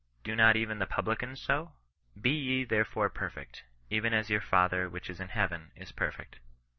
Do not even the publicans so ? Be ye therefore perfect, even as your Father which is in heaven is perfect."